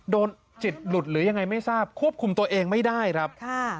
จิตหลุดหรือยังไงไม่ทราบควบคุมตัวเองไม่ได้ครับ